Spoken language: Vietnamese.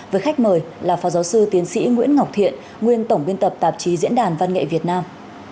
với khách mời là phó giáo sư tiến sĩ nguyễn ngọc thiện nguyên tổng biên tập tạp chí diễn đàn văn nghệ việt nam